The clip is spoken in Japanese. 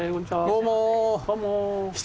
どうも。